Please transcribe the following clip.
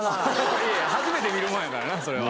いやいや初めて見るもんやからなそれは。